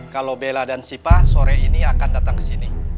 kalau bella dan sipa sore ini akan datang ke sini